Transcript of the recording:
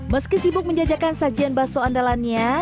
meski sibuk menjajakan sajian bakso andalannya